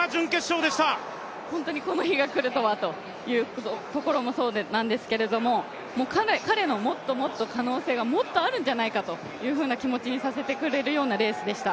本当にこの日が来るとはというところもそうなんですけど、彼の可能性がもっとあるんじゃないかというふうな気持ちにさせてくれるようなレースでした。